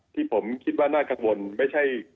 ที่ผมคิดว่าน่ากังวลไม่ใช่